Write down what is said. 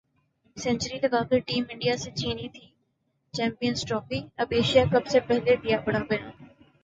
century لگا کر team India سے چھینی تھی چمپئنز ٹرافی ، اب ایشیا کپ سے پہلے دیا بڑا بیان